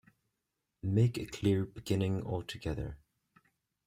Make a clear beginning altogether.